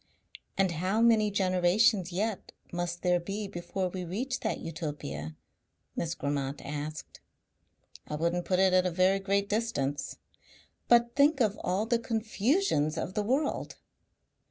"And how many generations yet must there be before we reach that Utopia?" Miss Grammont asked. "I wouldn't put it at a very great distance." "But think of all the confusions of the world!"